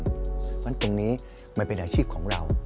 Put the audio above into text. เพราะฉะนั้นตรงนี้มันเป็นอาชีพของเรา